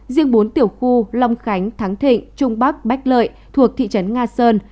riêng bốn tiểu khu long khánh thắng thịnh trung bắc bách lợi thuộc thị trấn nga sơn